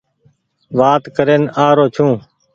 وآت ڪرين آ رو ڇون ۔